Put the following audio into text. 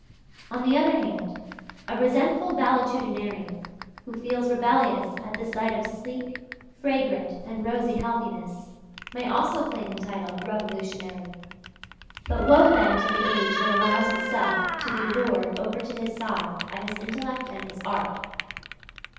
On the other hand, a resentful valetudinarian, who feels rebellious at the sight of sleek, fragrant and rosy healthiness, may also claim the title "revolutionary"; but woe then to the age that allows itself to be lured over to his side by his intellect and his art.